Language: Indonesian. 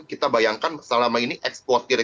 kita bayangkan selama ini ekspor kita